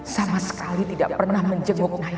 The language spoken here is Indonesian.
sama sekali tidak pernah menjenguk